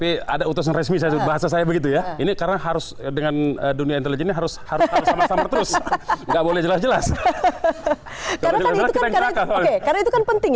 ini untuk mengklarifikasi tudingan itu